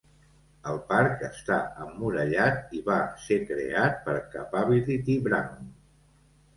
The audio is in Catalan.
El parc està emmurallat i va ser creat per Capability Brown.